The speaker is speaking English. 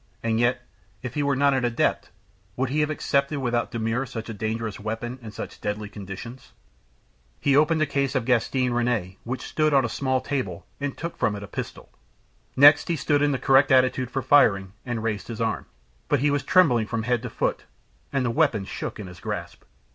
And yet, if he were not an adept, would he have accepted without demur such a dangerous weapon and such deadly conditions? He opened a case of Gastinne Renettes which stood on a small table, and took from it a pistol. Next he stood in the correct attitude for firing, and raised his arm. But he was trembling from head to foot, and the weapon shook in his grasp.